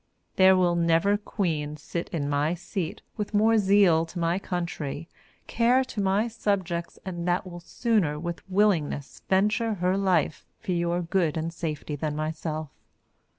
There will never Queen sit in my seat with more zeal to my country, care to my subjects and that will sooner with willingness venture her life for your good and safety than myself.